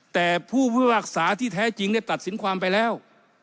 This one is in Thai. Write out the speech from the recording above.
แต่ผู้พิพากษาที่แท้จริงได้ตัดสินความไปแล้ว